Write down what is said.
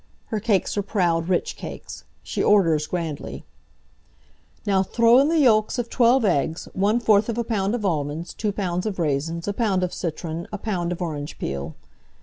Her cakes are proud, rich cakes. She orders grandly: "Now throw in the yolks of twelve eggs; one fourth of a pound of almonds; two pounds of raisins; a pound of citron; a pound of orange peel."